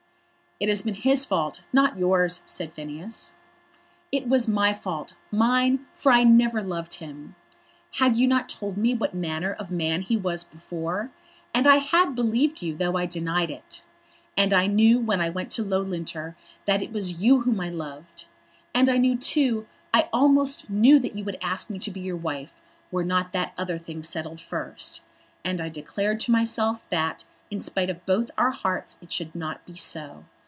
"It has been his fault; not yours," said Phineas. "It was my fault, mine; for I never loved him. Had you not told me what manner of man he was before? And I had believed you, though I denied it. And I knew when I went to Loughlinter that it was you whom I loved. And I knew too, I almost knew that you would ask me to be your wife were not that other thing settled first. And I declared to myself that, in spite of both our hearts, it should not be so.